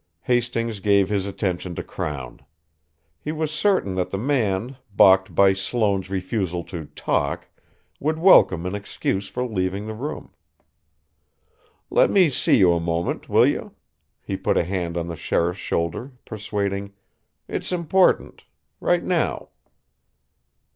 Hastings gave his attention to Crown. He was certain that the man, balked by Sloane's refusal to "talk," would welcome an excuse for leaving the room. "Let me see you a moment, will you?" He put a hand on the sheriff's shoulder, persuading: "It's important, right now."